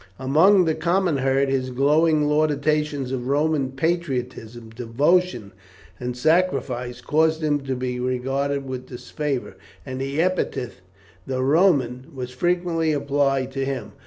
Among the common herd his glowing laudations of Roman patriotism, devotion, and sacrifice, caused him to be regarded with disfavour, and the epithet "the Roman" was frequently applied to him.